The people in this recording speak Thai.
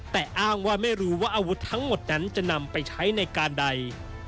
แต่อ้างว่าไม่รู้ว่าอาวุธทั้งหมดนั้นจะนำไปใช้ในการใด